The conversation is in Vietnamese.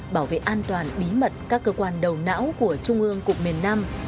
bảo vệ an toàn bí mật các cơ quan đầu não của trung ương cục miền nam